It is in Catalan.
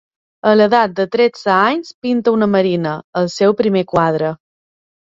A l'edat de tretze anys pinta una marina, el seu primer quadre.